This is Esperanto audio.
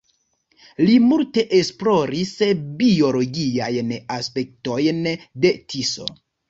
Li multe esploris biologiajn aspektojn de Tiso.